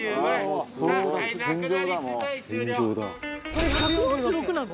これ１４６なの？